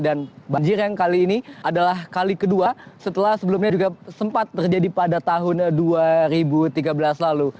dan banjir yang kali ini adalah kali kedua setelah sebelumnya juga sempat terjadi pada tahun dua ribu tiga belas lalu